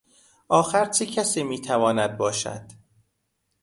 آخر چه کسی میتواند باشد؟